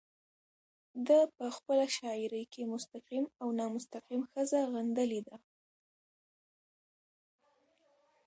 ده په خپله شاعرۍ کې مستقيم او نامستقيم ښځه غندلې ده